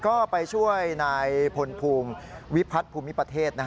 ก็ไปช่วยพลภูมิวิพรรณภูมิประเทศ